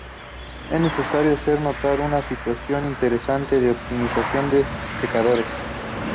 Es necesario hacer notar una situación interesante de optimización de secadores.